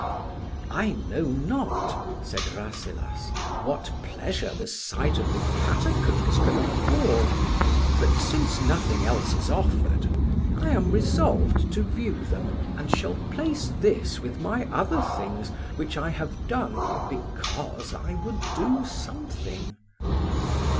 "I know not," said Rasselas, "what pleasure the sight of the catacombs can afford; but, since nothing else is offered, I am resolved to view them, and shall place this with my other things which I have done because I would do something."